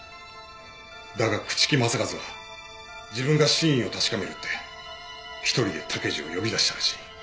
だが朽木政一は自分が真意を確かめるって１人で武二を呼び出したらしい。